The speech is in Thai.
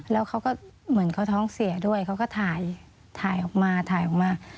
แล้วเขาก็เหมือนเขาท้องเสียด้วยเขาก็ถ่ายถ่ายออกมาถ่ายออกมา